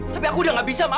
tapi aku udah nggak bisa mama